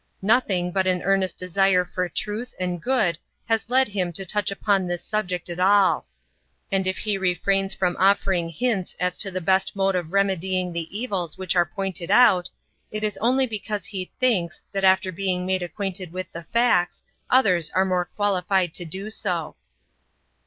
Nothing but an earnest desire for truth and good has led him to touch upon this subject at all. And if he refrains from offering hints as to the best mode of remedying the evils which are pointed out, it is only because he thinks, that after being made acquainted with the facts, others are better qualified to do so.